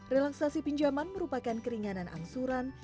relaksasi pinjaman merupakan keringanan angsuran